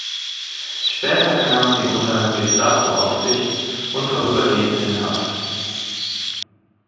Später kam sie unter Gestapo-Aufsicht und vorübergehend in Haft.